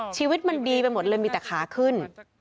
ชีวิตมันดีไปหมดเลยมีแต่ขาขึ้น